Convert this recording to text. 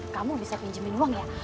kamu bisa pinjemin uang ya